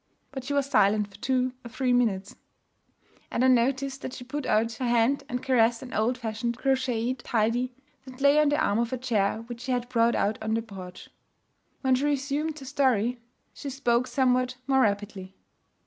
But she was silent for two or three minutes; and I noticed that she put out her hand and caressed an old fashioned, crocheted tidy that lay on the arm of a chair which she had brought out on the porch. When she resumed her story, she spoke somewhat more rapidly.